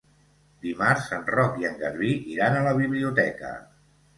Dimarts en Roc i en Garbí iran a la biblioteca.